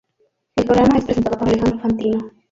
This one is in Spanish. El programa es presentado por Alejandro Fantino.